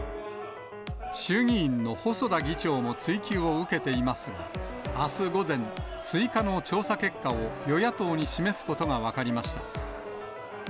衆議院の細田議長も追及を受けていますが、あす午前、追加の調査結果を与野党に示すことが分かりました。